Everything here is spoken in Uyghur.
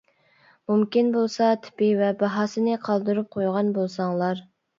مۇمكىن بولسا تىپى، ۋە باھاسىنى قالدۇرۇپ قويغان بولساڭلار.